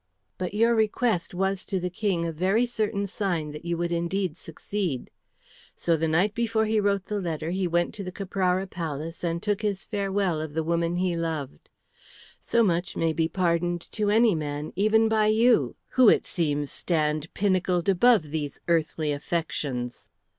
But your request was to the King a very certain sign that you would indeed succeed. So the night before he wrote the letter he went to the Caprara Palace and took his farewell of the woman he loved. So much may be pardoned to any man, even by you, who, it seems, stand pinnacled above these earthly affections."